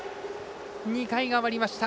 ２回が終わりました。